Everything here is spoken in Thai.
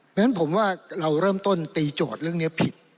เพราะฉะนั้นผมว่าเราเริ่มต้นตีโจทย์เรื่องนี้ผิด